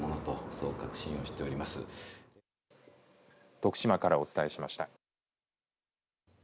徳島からお伝えしました。